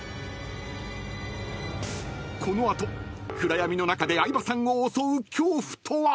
［この後暗闇の中で相葉さんを襲う恐怖とは⁉］